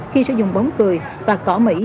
khi sử dụng bóng cười và khó mỉ